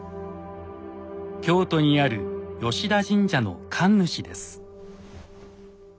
京都にある吉田神社の神主です。